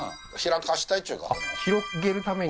広げるために？